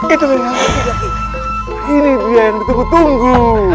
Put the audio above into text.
itu ini dia yang bertemu tunggu